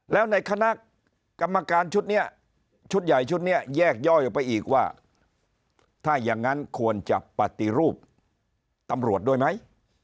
แล้วในคณะกรรมการชุดนี้ชุดใหญ่ชุดนี้แยกย่อยออกไปอีกว่าถ้าอย่างนั้นควรจะปฏิรูปตำรวจด้วยไหม